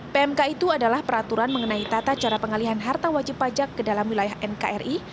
pmk itu adalah peraturan mengenai tata cara pengalihan harta wajib pajak ke dalam wilayah nkri